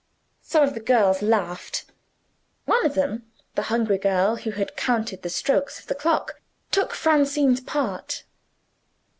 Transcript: Some of the girls laughed. One of them the hungry girl who had counted the strokes of the clock took Francine's part.